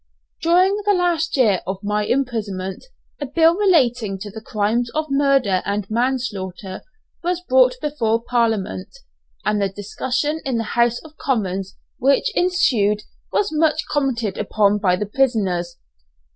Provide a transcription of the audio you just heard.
During the last year of my imprisonment a bill relating to the crimes of murder and manslaughter was brought before Parliament, and the discussion in the House of Commons which ensued was much commented upon by the prisoners.